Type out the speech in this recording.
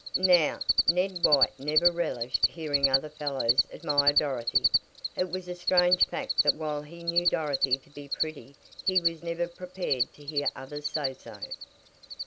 Now, Ned White never relished hearing other fellows admire Dorothy. It was a strange fact that while he knew Dorothy to be pretty he was never prepared to hear others say so.